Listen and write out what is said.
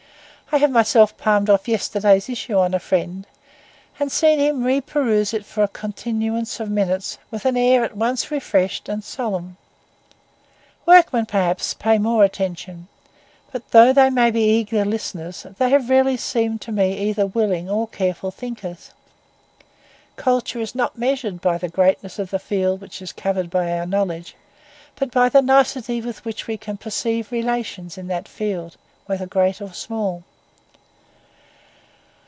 I have myself palmed off yesterday's issue on a friend, and seen him re peruse it for a continuance of minutes with an air at once refreshed and solemn. Workmen, perhaps, pay more attention; but though they may be eager listeners, they have rarely seemed to me either willing or careful thinkers. Culture is not measured by the greatness of the field which is covered by our knowledge, but by the nicety with which we can perceive relations in that field, whether great or small.